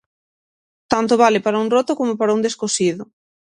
Tanto vale para un roto como para un descosido.